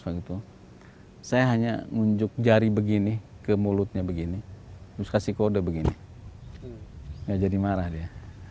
waktu saya hanya munjuk jari begini ke mulutnya begini luska sih kode begini nggak jadi marah dia